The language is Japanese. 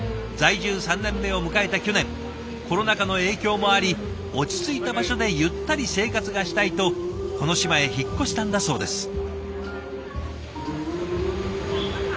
在住３年目を迎えた去年コロナ禍の影響もあり落ち着いた場所でゆったり生活がしたいとこの島へ引っ越したんだそうです。